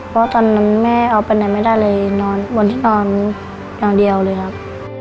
เพราะตอนนั้นแม่เอาไปไหนไม่ได้เลยนอนบนที่นอนอย่างเดียวเลยครับ